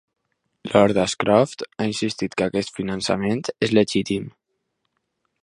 Lord Ashcroft ha insistit que aquest finançament és legítim.